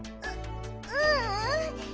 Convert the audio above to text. うううん。